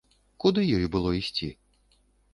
Куды ёй было ісці?